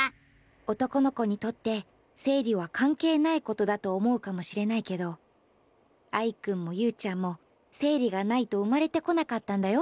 男の子にとって生理はかんけいないことだと思うかもしれないけどアイくんもユウちゃんも生理がないと生まれてこなかったんだよ。